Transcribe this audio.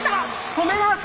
止めます！